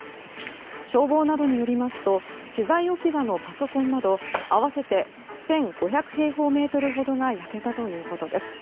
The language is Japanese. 消防などによりますと資材置き場のパソコンなど合わせて１５００平方メートルほどが焼けたということです。